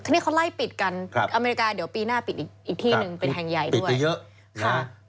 นี่เขาไล่ปิดกันอเมริกาเดี๋ยวปีหน้าปิดอีกที่หนึ่งเป็นแห่งใหญ่ด้วยเยอะค่ะ